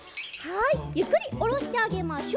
ゆっくりおろしてあげましょう。